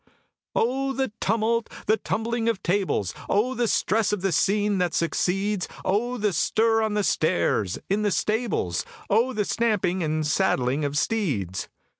O the tumult! The tumbling of tables! O the stress of the scene that succeeds! O the stir on the stairs, in the stables! O the stamping and saddling of steeds!